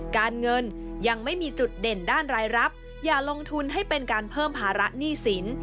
การเงินยังไม่มีจุดเด่นด้านรายรับอย่าลงทุนให้เป็นการเพิ่มภาระหนี้สิน